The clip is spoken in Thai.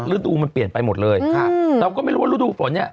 ฤดูมันเปลี่ยนไปหมดเลยครับเราก็ไม่รู้ว่าฤดูฝนเนี่ย